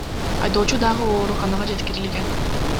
Айдоочу дагы ооруканага жеткирилген.